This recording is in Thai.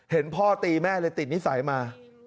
เห็นพ่อตีแม่เลยติดนิสัยมา